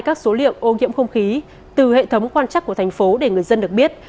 các số liệu ô nhiễm không khí từ hệ thống quan trắc của thành phố để người dân được biết